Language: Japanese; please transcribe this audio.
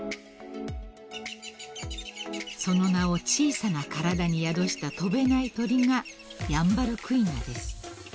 ［その名を小さな体に宿した飛べない鳥がヤンバルクイナです］